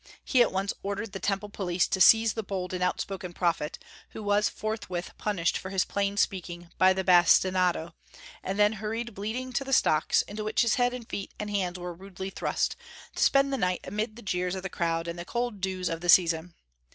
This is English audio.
He at once ordered the Temple police to seize the bold and outspoken prophet, who was forthwith punished for his plain speaking by the bastinado, and then hurried bleeding to the stocks, into which his head and feet and hands were rudely thrust, to spend the night amid the jeers of the crowd and the cold dews of the season.